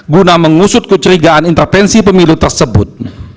guna mengusut kecerigaan intervensi pemilu tersebut